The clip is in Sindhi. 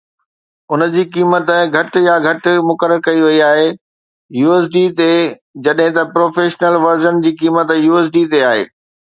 ان جي قيمت گهٽ يا گهٽ مقرر ڪئي وئي آهي USD تي جڏهن ته پروفيشنل ورزن جي قيمت USD تي آهي